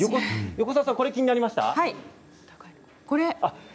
横澤さん気になりました？